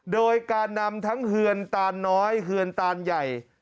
โดยการนำทั้งเฮือนตานน้อยเฮือนตานใหญ่